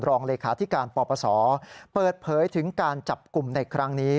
รองเลขาธิการปปศเปิดเผยถึงการจับกลุ่มในครั้งนี้